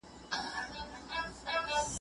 دلایل وړاندې کړئ نه چیغې.